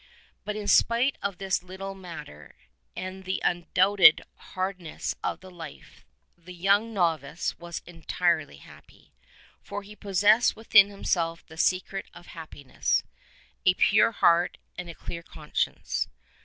But in spite of this little matter and the undoubted hard ness of the life, the young novice was entirely happy. For he possessed within himself the secret of happiness — a pure heart and a clear conscience.